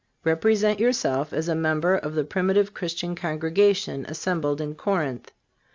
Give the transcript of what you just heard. Represent yourself as a member of the primitive Christian congregation assembled in Corinth.